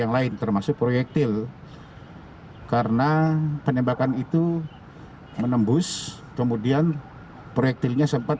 yang lain termasuk proyektil karena penembakan itu menembus kemudian proyektilnya sempat